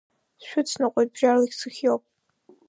Сшәыцныҟәоит, бџьарлагь сыхиоуп.